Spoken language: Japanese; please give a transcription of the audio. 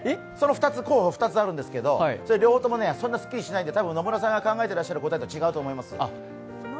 候補２つあるんですけど、それ、両方ともそんなにすっきりしないんで野村さんが考えてる答えと違うと思います。